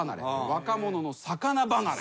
若者の魚離れ。